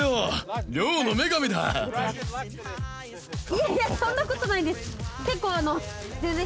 いやいやそんなことないです。